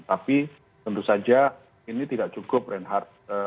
tapi tentu saja ini tidak cukup renhard